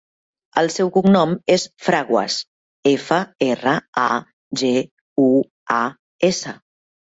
El seu cognom és Fraguas: efa, erra, a, ge, u, a, essa.